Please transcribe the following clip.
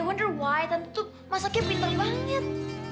i wonder why tante tuh masakinya pinter banget